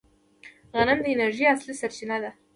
غنم د انرژۍ اصلي سرچینه ده.